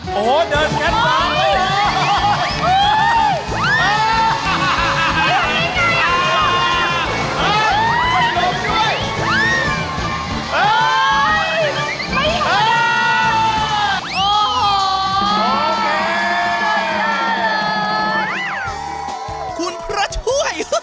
โอ้โหเดินแค่ตามมา